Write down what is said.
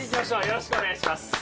よろしくお願いします。